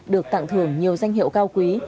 được tặng thưởng nhiều danh hiệu cao quý